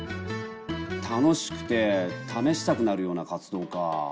楽しくて試したくなるような活動か。